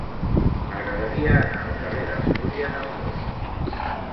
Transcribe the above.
M'agradaria anar al carrer d'Astúries amb moto.